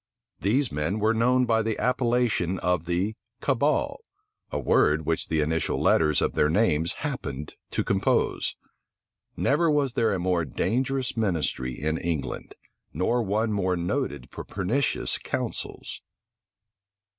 These men were known by the appellation of the "cabal," a word which the initial letters of their names happened to compose. Never was there a more dangerous ministry in England, nor one more noted for pernicious counsels.